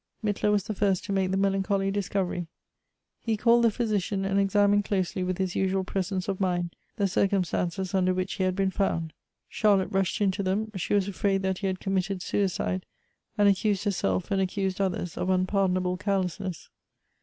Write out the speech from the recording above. t 3Iittler was the first to make the melancholy discovery ; he culled the jihysici.in, and examined closely with his usual presence of mind, the circumstances under which ho had been found. Charlotte rushed in to them; she was afraid that he had committed suicide, and accused herself and accused others of unpardonable carelessness.